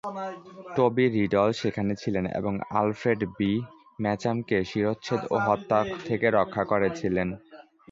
টোবি Riddle সেখানে ছিলেন এবং আলফ্রেড বি. মেচামকে শিরশ্ছেদ ও হত্যা থেকে রক্ষা করেছিলেন।